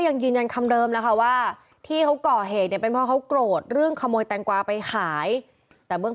หนูก็ไม่ยอมให้พ่อของหนู